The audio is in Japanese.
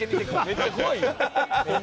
めっちゃ怖いやん。